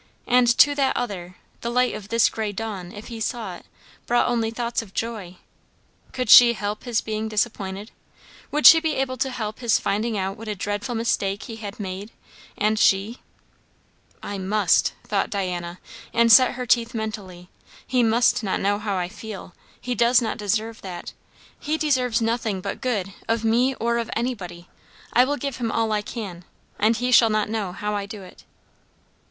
And to that other, the light of this grey dawn, if he saw it, brought only thoughts of joy. Could she help his being disappointed? Would she be able to help his finding out what a dreadful mistake he had made, and she? "I must," thought Diana, and set her teeth mentally; "he must not know how I feel; he does not deserve that. He deserves nothing but good, of me or of anybody. I will give him all I can, and he shall not know how I do it."